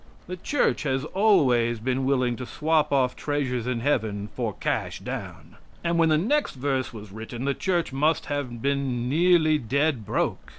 The Church has always been willing to swap off treasures in heaven for cash down. And when the next verse was written the Church must have been nearly dead broke.